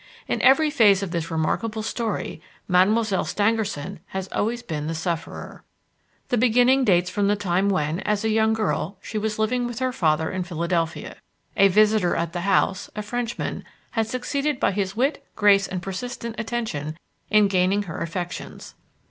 In every phase of this remarkable story Mademoiselle Stangerson had always been the sufferer. The beginning dates from the time when, as a young girl, she was living with her father in Philadelphia. A visitor at the house, a Frenchman, had succeeded by his wit, grace and persistent attention, in gaining her affections.